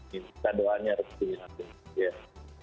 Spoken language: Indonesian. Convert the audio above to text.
kita doanya harus diingatkan